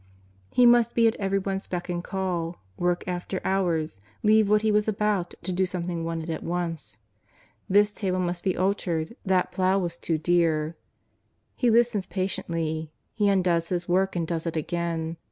He must be at every one's beck and call, work after hours, leave what He was about, to do something wanted at once ; this table must be altered, that plough was too dear. He listens patiently ; He undoes His work and does it again.